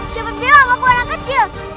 siapa bilang aku anak kecil